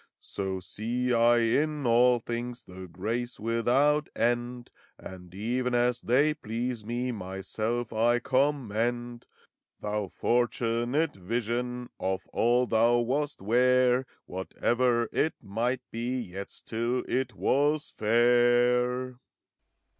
So see I in all things The grace without end, And even as they please me, Myself I commend. Thou fortunate Vision, Of all thou wast 'ware. Whatever it might be, Yet still it was fair!